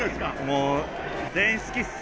もう全員好きっす。